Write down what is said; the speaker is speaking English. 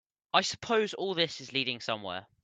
I suppose all this is leading somewhere?